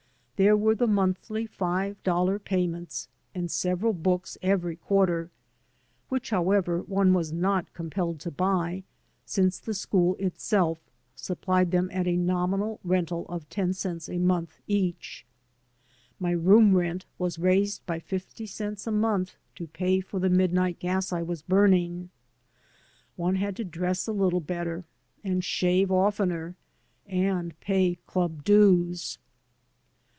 There were the monthly five dollar payments, and several books every quarter, which, however, one was not compelled to buy, since the school itself supplied them at a nominal rental of ten cents a month each. My room rent was raised by fifty cents a month to pay for the midnight gas I was burning. One had to dress a little better, and shave oftener, and pay club dues.